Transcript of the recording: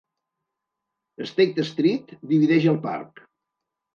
State Street divideix el parc.